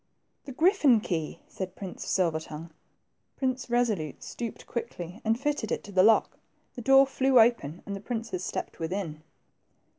The griffin key !'' said Prince Silver tongue. Prince Kesolute stooped quickly and fitted it to the lock. The door flew open, and the princes stepped within.